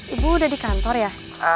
ibu udah di kantor ya